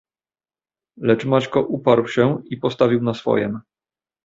"Lecz Maćko uparł się i postawił na swojem."